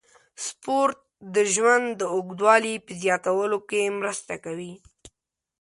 سپورت د ژوند د اوږدوالي په زیاتولو کې مرسته کوي.